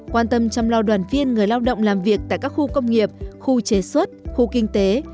quan tâm chăm lo đoàn viên người lao động làm việc tại các khu công nghiệp khu chế xuất khu kinh tế